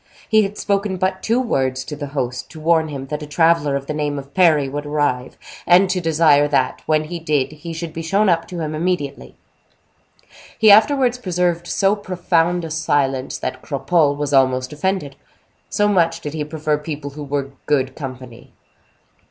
He had spoken but two words to the host, to warn him that a traveler of the name of Parry would arrive, and to desire that, when he did, he should be shown up to him immediately. He afterwards preserved so profound a silence, that Cropole was almost offended, so much did he prefer people who were good company.